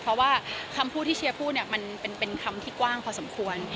เพราะว่าคำพูดที่เชียร์พูดเนี่ยมันเป็นคำที่กว้างพอสมควร